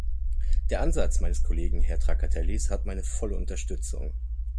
Der Ansatz meines Kollegen Herr Trakatellis hat meine volle Unterstützung.